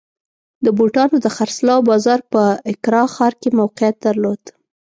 د بوټانو د خرڅلاو بازار په اکرا ښار کې موقعیت درلود.